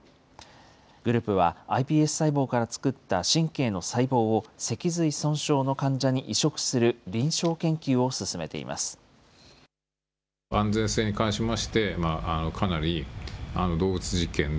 グループはｉＰＳ細胞から作った神経の細胞を、脊髄損傷の患者に移植する臨床研究を進めています。